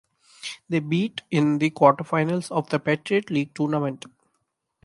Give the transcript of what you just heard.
They beat in the Quarterfinals of the Patriot League Tournament.